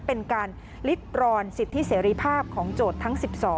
เป็นการลิดกรอนสิทธิเสรีภาพของโจทย์ทั้ง๑๒